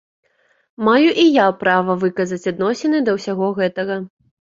Маю і я права выказаць адносіны да ўсяго гэтага.